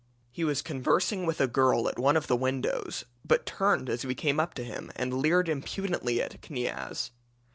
He was conversing with a girl at one of the windows, but turned as we came up to him and leered impudently at Kniaz.